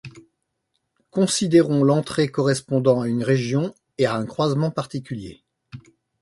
Considérons l'entrée correspondant à une région et à un croisement particulier.